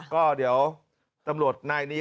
ก็เดี๋ยวตำรวจนายนี้